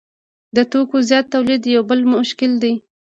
د توکو زیات تولید یو بل مشکل دی